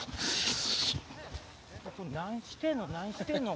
何してんの？